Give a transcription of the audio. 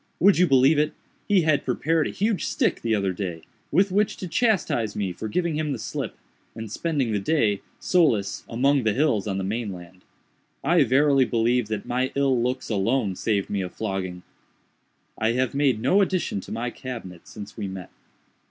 Would you believe it?—he had prepared a huge stick, the other day, with which to chastise me for giving him the slip, and spending the day, solus, among the hills on the main land. I verily believe that my ill looks alone saved me a flogging. "I have made no addition to my cabinet since we met.